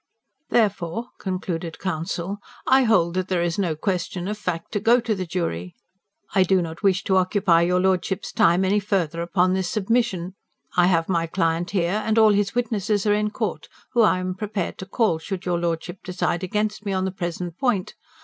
"Therefore," concluded counsel, "I hold that there is no question of fact to go to the jury. I do not wish to occupy your Lordship's time any further upon this submission. I have my client here, and all his witnesses are in court whom I am prepared to call, should your Lordship decide against me on the present point.